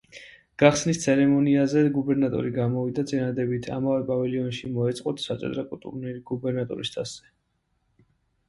გახსნის ცერემონიაზე გუბერნატორი გამოვიდა წინადადებით, ამავე პავილიონში მოეწყოთ საჭადრაკო ტურნირი გუბერნატორის თასზე.